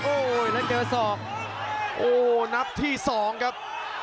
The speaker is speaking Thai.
โอ้โหแล้วเจอศอกโอ้โหนับที่สองครับ